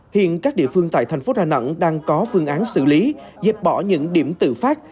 hiện các địa phương tại thành phố đà nẵng đang có phương án xử lý dẹp bỏ những điểm tự phát